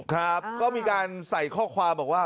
ครับก็มีการใส่ข้อความบอกว่า